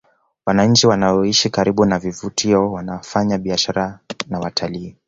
Wananchi wanaoishi karibu na vivutio waanafanya biashara na watalii